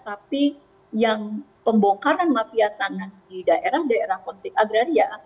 tapi yang pembongkaran mafia tangan di daerah daerah agraria